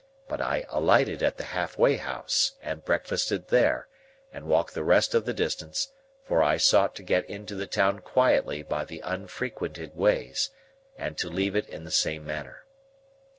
But I alighted at the Halfway House, and breakfasted there, and walked the rest of the distance; for I sought to get into the town quietly by the unfrequented ways, and to leave it in the same manner.